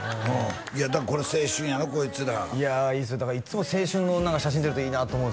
いやだからこれ青春やろこいつらいいっすねだからいっつも青春の写真出るといいなと思う